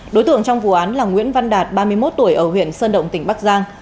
đối tượng trong vụ án là nguyễn văn đạt ba mươi một tuổi ở huyện sơn động tỉnh bắc giang